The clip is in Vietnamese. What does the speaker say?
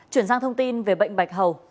chuyển sang thông tin về bệnh bạch hầu